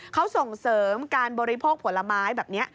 เขาส่งเสริมการบริโภคผลไม้แบบนี้